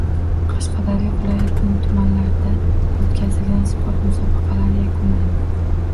Qashqadaryo viloyatining tumanlarida o‘tkazilgan sport musobaqalari yakunlandi